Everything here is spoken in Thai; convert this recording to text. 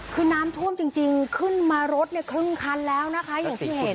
คือน้ำท่วมจริงขึ้นมารถเนี่ยครึ่งคันแล้วนะคะอย่างที่เห็น